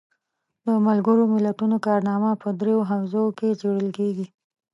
د ملګرو ملتونو کارنامه په دریو حوزو کې څیړل کیږي.